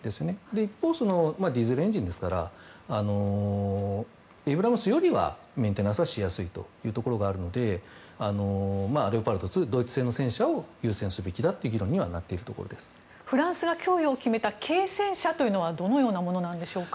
一方ディーゼルエンジンですからエイブラムスよりはメンテナンスしやすいというところがあるのでレオパルト２、ドイツ製の戦車を優先すべきだというフランスが供与を決めた軽戦車というのはどのようなものなんでしょうか。